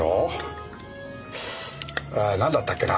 なんだったっけな？